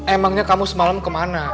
emangnya kamu semalam kemana